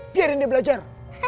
biarin dia belajar